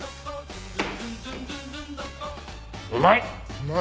うまい。